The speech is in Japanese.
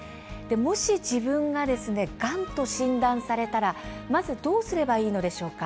もし自分が、がんと診断されたらまずどうすればいいのでしょうか。